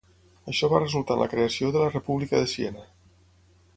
Això va resultar en la creació de la República de Siena.